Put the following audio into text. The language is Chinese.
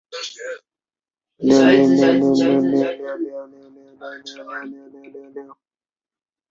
帚状香茶菜为唇形科香茶菜属下的一个种。